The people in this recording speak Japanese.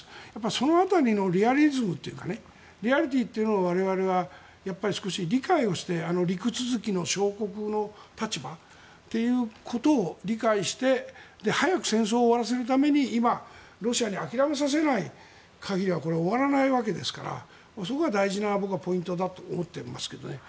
その辺りのリアリズムというかリアリティーを我々は少し理解をして陸続きの小国の立場ということを理解して早く戦争を終わらせるために今、ロシアに諦めさせない限りはこれ、終わらないわけですから大事なポイントだと僕は思っています。